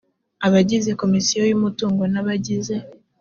abagize komisiyo y umutungo n abagize